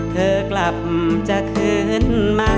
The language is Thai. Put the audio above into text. เธอกลับจะคืนมา